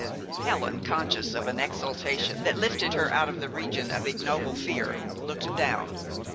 Helen, conscious of an exaltation that lifted her out of the region of ignoble fear, looked down.